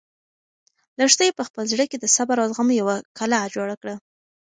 لښتې په خپل زړه کې د صبر او زغم یوه کلا جوړه کړه.